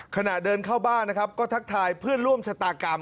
ขณะเดินเข้าบ้านนะครับก็ทักทายเพื่อนร่วมชะตากรรม